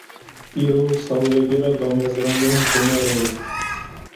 Îro, salvegera damezrandina Komarê ye